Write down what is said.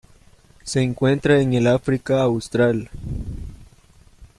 Se encuentra en el África Austral.